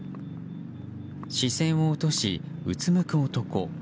視線を落としうつむく男。